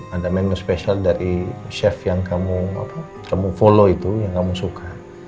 ada menu spesial dari chef yang kamu follow itu yang kamu suka